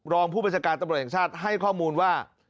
รองผู้บัญชาการตำรวจแห่งชาติให้ข้อมูลว่า